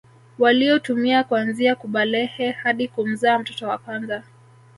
Waliotumia kuanzia kubalehe hadi kumzaa mtoto wa kwanza